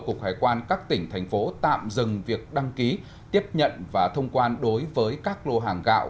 cục hải quan các tỉnh thành phố tạm dừng việc đăng ký tiếp nhận và thông quan đối với các lô hàng gạo